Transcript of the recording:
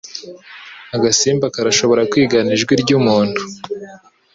Agasimba karashobora kwigana ijwi ryumuntu.